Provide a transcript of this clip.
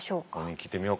聞いてみようか。